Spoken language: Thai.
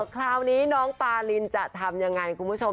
คราวนี้น้องปารินจะทำยังไงคุณผู้ชม